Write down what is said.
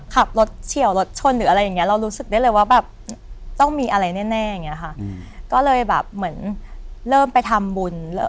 ครับรถเฉียวรถชนอวกอย่างเงี่ย